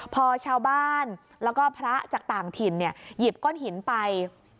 พอชาวบ้านแล้วก็พระจากต่างถิ่นหยิบก้อนหินไป